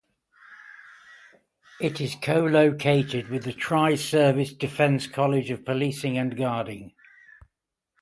It is co-located with the tri-service Defence College of Policing and Guarding.